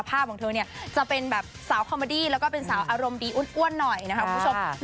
ของเธอเนี่ยจะเป็นแบบสาวคอมเมอดี้แล้วก็เป็นสาวอารมณ์ดีอ้วนหน่อยนะครับคุณผู้ชม